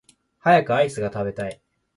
早くアイスが食べたい